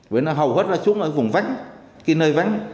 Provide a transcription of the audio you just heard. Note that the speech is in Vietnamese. vậy nó hầu hết là xuống ở vùng vánh cái nơi vánh